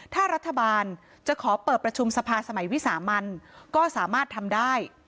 ถ้ารัฐบาลจะขอเปิดประชุมสภาสมัยวิสามันก็สามารถทำได้